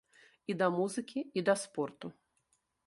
І да музыкі, і да спорту.